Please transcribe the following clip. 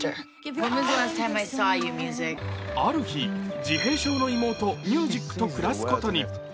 ある日、自閉症の妹ミュージックと暮らすことに。